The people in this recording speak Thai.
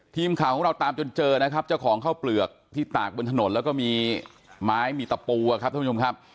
ทีมข่าวของเราตามจนเจอนะครับเจ้าของข้าวเปลือกที่ตากบนถนนแล้วก็มีไม้มีตะปูอะครับท่านผู้ชมครับ